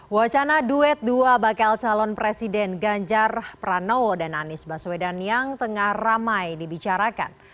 wacana duet dua bakal calon presiden ganjar pranowo dan anies baswedan yang tengah ramai dibicarakan